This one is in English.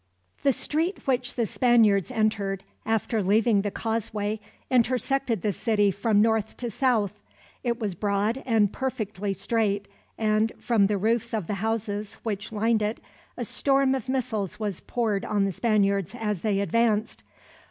The street which the Spaniards entered, after leaving the causeway, intersected the city from north to south. It was broad and perfectly straight and, from the roofs of the houses which lined it, a storm of missiles was poured on the Spaniards, as they advanced.